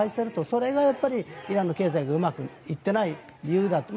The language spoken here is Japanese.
それがイランの経済がうまくいっていない理由だと。